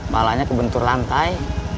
malahnya kebentur lantai